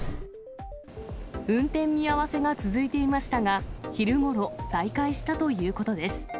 運転見合わせが続いていましたが、昼頃、再開したということです。